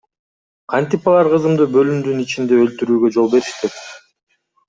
Кантип алар кызымды бөлүмдүн ичинде өлтүртүүгө жол беришти?